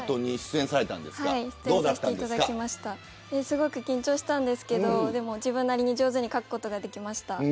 すごく緊張しましたが自分なりに上手に描くことができました。